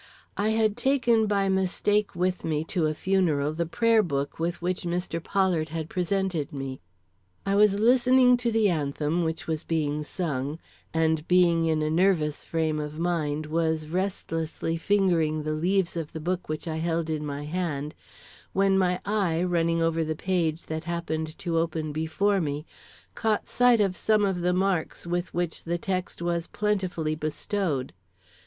I had taken by mistake with me to a funeral the prayer book with which Mr. Pollard had presented me. I was listening to the anthem which was being sung, and being in a nervous frame of mind, was restlessly fingering the leaves of the book which I held in my hand, when my eye, running over the page that happened to open before me, caught sight of some of the marks with which the text was plentifully bestowed.